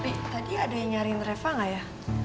bi tadi ada yang nyariin reva gak ya